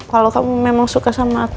kalau kamu memang suka sama